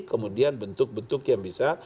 kemudian bentuk bentuk yang bisa